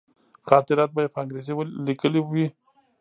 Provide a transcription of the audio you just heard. خاطرات به یې په انګرېزي لیکلي وي.